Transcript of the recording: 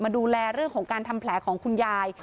ดูแลเรื่องของการทำแผลของคุณยาย